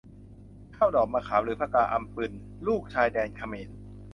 ข้าวดอกมะขาม หรือผกาอำปึญ ปลูกชายแดนเขมร